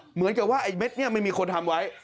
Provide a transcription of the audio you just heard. เหมือนกับว่าไอ้เม็ดนี้ไม่มีคนทำไว้